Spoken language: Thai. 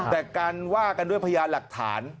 แต่การว่ากันด้วยพยานหลักฐาน